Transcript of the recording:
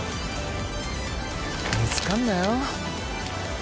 見つかんなよ。